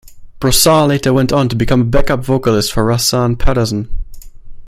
Broussard later went on to become a backup vocalist for Rahsaan Patterson.